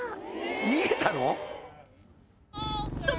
逃げたの？